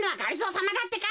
さまだってか。